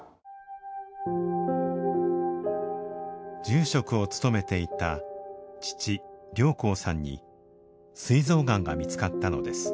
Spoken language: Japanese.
住職を務めていた父良廣さんにすい臓がんが見つかったのです。